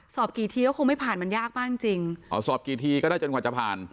สอบกี่ทีก็คงไม่ผ่านมันยากมากจริงจนกว่าจะผ่าน